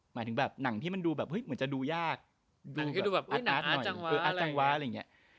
หมายถึงแบบหนังที่มันดูแบบเฮ้ยเหมือนจะดูยากหนังที่ดูแบบอินาทหน่อยอะไรอย่างเงี้ย